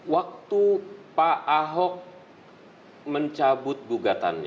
waktu pak ahok mencabut gugatannya